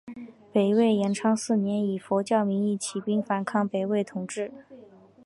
北魏延昌四年以佛教名义起兵反抗北魏统治。